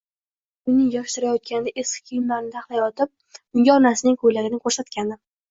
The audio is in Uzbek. Kecha uyni yig'ishtirayotganda eski kiyimlarni taxlayotib unga onasining ko'ylagini ko'rsatgandim.